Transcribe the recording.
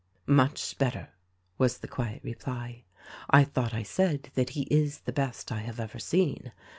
"Much better," was the quiet reply. "I thought I said that he is the best I have ever seen.